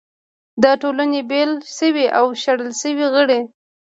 د ټولنې بېل شوي او شړل شوي غړي